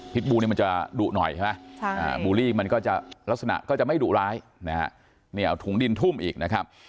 พิษบู่นี้มันจะดุหน่อยใช่ป่าวนี่มันลักษณะมันจะไม่ดุร้ายถุงดินทุ่มอีกนะครับ